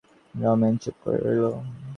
রমেন চুপ করে রইল।